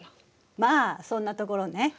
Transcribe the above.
まあそんなところね。